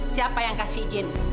siapa yang kasih izin